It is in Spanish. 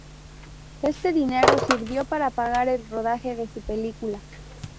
Este dinero sirvió para pagar el rodaje de su película.